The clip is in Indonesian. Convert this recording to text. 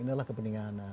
ini adalah kepentingan